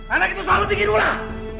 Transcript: anak itu selalu bikin ulang